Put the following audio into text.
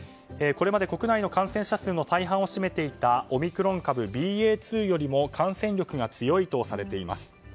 これまで国内の感染者数の大半を占めていたオミクロン株ＢＡ．２よりも感染力が強いとされています。